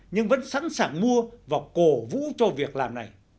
nhưng vẫn sẵn sàng mua và cổ vũ cho việc làm này